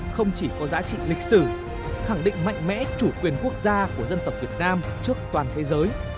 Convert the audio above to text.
không chỉ có giá trị lịch sử khẳng định mạnh mẽ chủ quyền quốc gia của dân tộc việt nam trước toàn thế giới